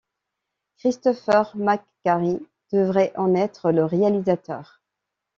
Christopher McQuarrie devrait en être le réalisateur.